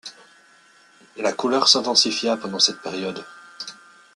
La couleur s'intensifia pendant cette période.